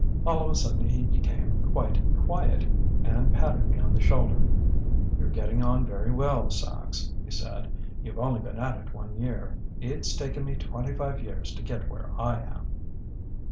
"All of a sudden he became quite quiet, and patted me on the shoulder. 'You're getting on very well, Sachs,' he said. 'You've only been at it one year. It's taken me twenty five years to get where I am.